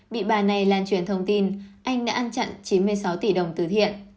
bị bà này lan truyền thông tin anh đã ăn chặn chín mươi sáu tỷ đồng từ thiện